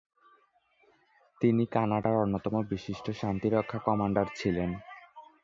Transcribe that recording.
তিনি কানাডার অন্যতম বিশিষ্ট শান্তিরক্ষা কমান্ডার ছিলেন।